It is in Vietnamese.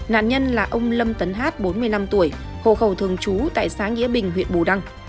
nạn nhân là ông lâm tấn hát bốn mươi năm tuổi hộ khẩu thường trú tại xã nghĩa bình huyện bù đăng